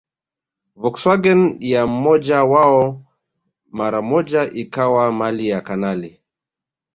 Volkswagen ya mmoja wao mara moja ikawa mali ya kanali